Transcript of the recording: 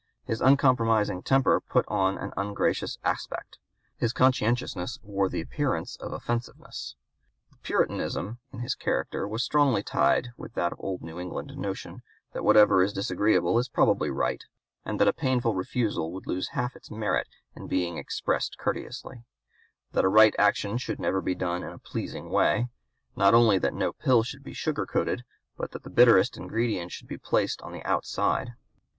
His uncompromising temper put on an ungracious aspect. His conscientiousness wore the appearance of offensiveness. The Puritanism in his character was strongly tinged with that old New England notion that whatever is disagreeable is probably right, and that a painful refusal would lose half its merit in being expressed courteously; that a right action should never be done in a pleasing way; not only that no pill should be sugar coated, but that the bitterest ingredient should be placed on the outside.